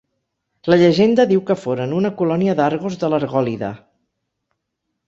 La llegenda diu que foren una colònia d'Argos de l'Argòlida.